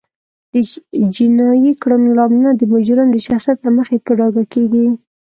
د جینایي کړنو لاملونه د مجرم د شخصیت له مخې هم په ډاګه کیږي